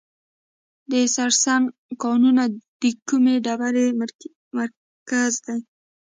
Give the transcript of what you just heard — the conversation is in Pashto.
د سرسنګ کانونه د کومې ډبرې مرکز دی؟